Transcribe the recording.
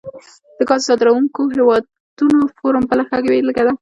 د ګازو صادرونکو هیوادونو فورم بله ښه بیلګه ده